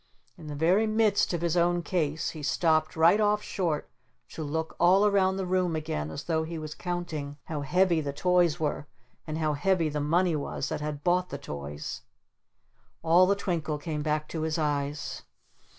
In the very midst of his own case he stopped right off short to look all around the room again as though he was counting how heavy the toys were and how heavy the money was that had bought the toys. All the twinkle came back to his eyes.